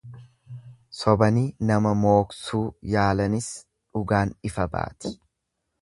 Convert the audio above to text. Sobanii nama mooksuu yaalanis dhugaan ifa baati.